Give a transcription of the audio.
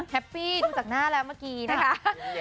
แฮปปี้ดูจากหน้าแล้วเมื่อกี้นะคะ